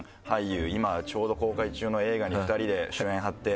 今ちょうど公開中の映画に２人で主演張ってます